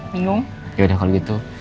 bingung yaudah kalau gitu